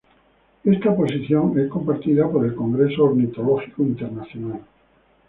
Está posición es compartida por el Congreso Ornitológico Internacional.